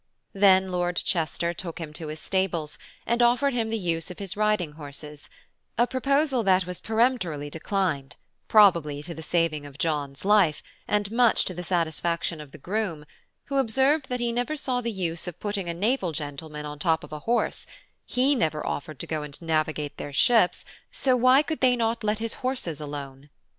Then Lord Chester took him to his stables, and offered him the use of his riding horses–a proposal that was peremptorily declined, probably to the saving of John's life, and much to the satisfaction of the groom, who observed that he never saw the use of putting a naval gentleman on the top of a horse–he never offered to go and navigate their ships, so why could not they let his horses alone?